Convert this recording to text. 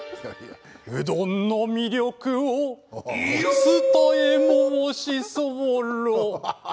うどんの魅力をお伝え申しそうろう。